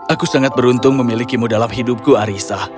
aku sangat beruntung memilikimu dalam hidupku arissa